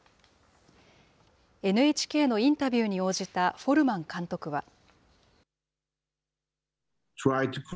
ＮＨＫのインタビューに応じたフォルマン監督は。